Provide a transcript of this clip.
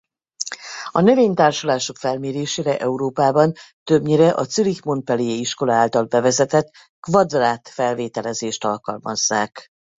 A növénytársulások felmérésére Európában többnyire a Zürich-Montpellier iskola által bevezetett kvadrát-felvételezést alkalmazzák.